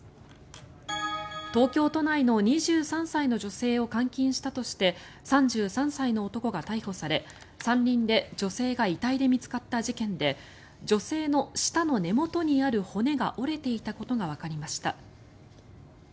東京都内の２３歳の女性を監禁したとして３３歳の男が逮捕され、山林で女性が遺体で見つかった事件で女性の舌の根元にある骨が折れていたことがわかりました。